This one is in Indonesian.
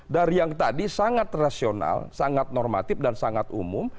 dari yang tadi sangat rasional sangat normatif dan sangat umum